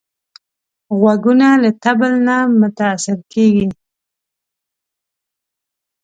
غوږونه له طبل نه متاثره کېږي